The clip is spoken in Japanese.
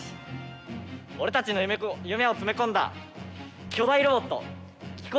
俺たちの夢を詰め込んだ巨大ロボット機巧